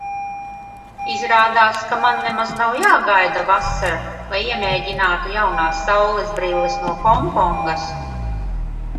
Izrādās, ka man nemaz nav jāgaida vasara, lai iemēģinātu jaunās saulesbrilles no Honkongas.